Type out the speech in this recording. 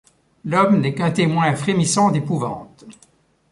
L’homme n’est qu’un témoin frémissant d’épouvante.